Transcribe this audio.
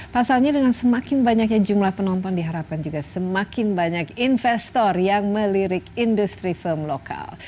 pasalnya dengan semakin banyaknya jumlah penonton diharapkan juga semakin banyak investor yang melirik industri film lokal